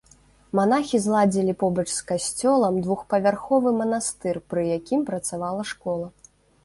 Манахі зладзілі побач з касцёлам двухпавярховы манастыр, пры якім працавала школа.